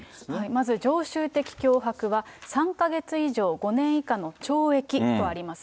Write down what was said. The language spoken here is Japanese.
まず常習的脅迫は、３か月以上５年以下の懲役とあります。